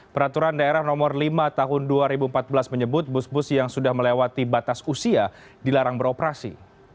peraturan daerah nomor lima tahun dua ribu empat belas menyebut bus bus yang sudah melewati batas usia dilarang beroperasi